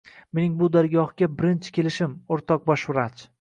— Men bu dargohga birinchi kelishim, o‘rtoq bosh vrach.